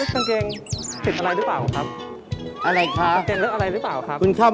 กางเกงเลือกอะไรรึเปล่าครับ